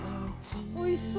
おいしそう！